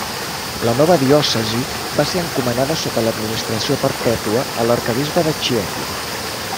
La nova diòcesi va ser encomanada sota l'administració perpètua a l'arquebisbe de Chieti.